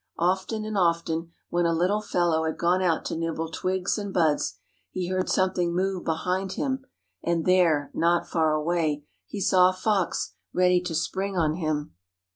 Often and often, when a little fellow had gone out to nibble twigs and buds, he heard something move behind him. And there, not far away, he saw a fox ready to spring on him.